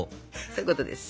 そういうことです。